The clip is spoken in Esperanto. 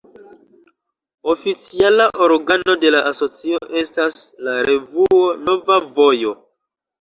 Oficiala organo de la asocio estas la revuo "Nova Vojo".